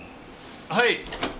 はい。